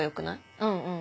うんうん。